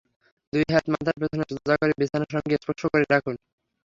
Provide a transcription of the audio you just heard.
দুই হাত মাথার পেছনে সোজা করে বিছানার সঙ্গে স্পর্শ করে রাখুন।